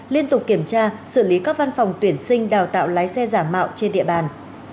liên tục kiểm tra xử lý các văn phòng tuyển sinh đào tạo lái xe giả mạo trên địa bàn